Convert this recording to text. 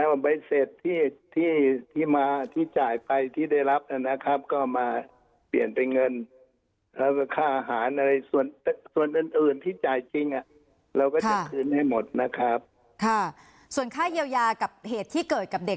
เราก็จะคืนให้หมดนะครับค่ะส่วนค่าเยียวยากับเหตุที่เกิดกับเด็ก